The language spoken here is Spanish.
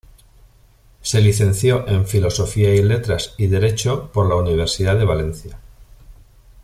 Se licenció en Filosofía y Letras y Derecho por la Universidad de Valencia.